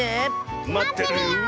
まってるよ！